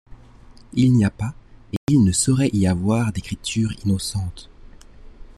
Il n’y a pas et il ne saurait y avoir d’écriture innocente.